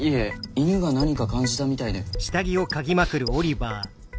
犬が何か感じたみたいで。